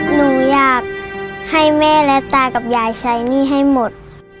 หนูอยากให้แม่และตากับยายใช้หนี้ให้หมด